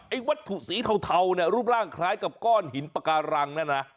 ไอ้วัตถุสีเทารูปร่างคล้ายกับก้อนหินปาการังนั่นนะ